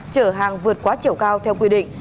chở hàng vượt quá chiều cao theo quy định